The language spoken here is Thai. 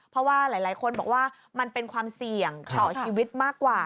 เพราะว่าหลายคนบอกว่ามันเป็นความเสี่ยงต่อชีวิตมากกว่า